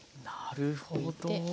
なるほど。